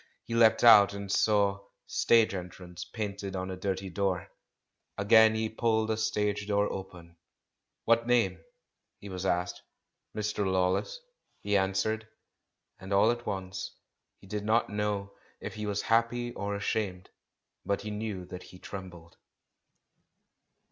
He leapt out, and saw "Stage Entrance" painted on a dirty door. Again he pulled a stage door open. "What name?" he was asked; "Mr. Lawless," he an swered. And all at once he did not know if he 400 THE MAN WHO UNDERSTOOD WOMEN was happy or ashamed; but he knew that he trembled.